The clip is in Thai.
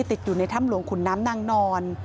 ติดอยู่ในถ้ำหลวงขุนน้ำนางนอน